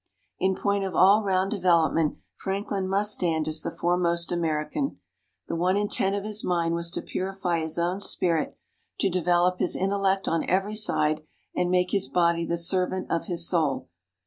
In point of all round development, Franklin must stand as the foremost American. The one intent of his mind was to purify his own spirit, to develop his intellect on every side, and make his body the servant of his soul.